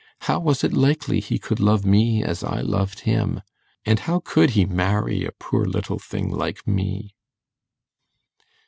How was it likely he could love me as I loved him? And how could he marry a poor little thing like me?